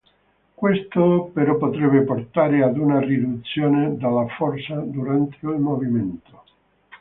Questo però potrebbe portare ad una riduzione della forza durante il movimento.